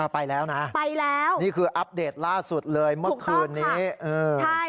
ไปแล้วนะนี่คืออัปเดตล่าสุดเลยเมื่อคืนนี้เออไปแล้วใช่